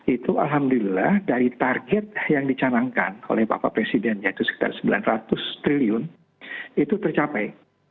itu alhamdulillah dari target yang dicanangkan oleh bapak presiden yaitu sekitar rp sembilan ratus triliun itu tercapai